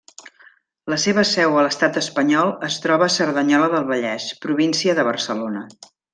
La seva seu a l'Estat espanyol es troba a Cerdanyola del Vallès, província de Barcelona.